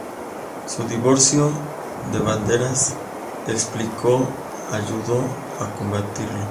Su divorcio de Banderas, explicó, ayudó a combatirlo.